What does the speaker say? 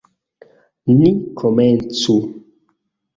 Ni komencu!